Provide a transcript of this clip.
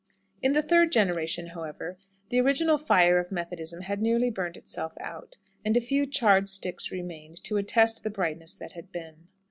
In the third generation, however, the original fire of Methodism had nearly burnt itself out, and a few charred sticks remained to attest the brightness that had been.